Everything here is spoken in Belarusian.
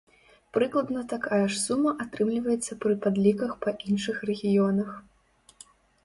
Прыкладна такая ж сума атрымліваецца пры падліках па іншых рэгіёнах.